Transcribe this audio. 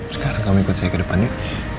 sekarang kamu ikut saya ke depan yuk